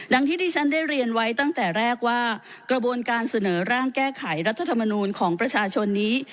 ที่ที่ฉันได้เรียนไว้ตั้งแต่แรกว่ากระบวนการเสนอร่างแก้ไขรัฐธรรมนูลของประชาชนนี้